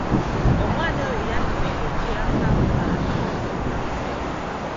Omwana oyo yannuma engeri gye yafaamu bambi.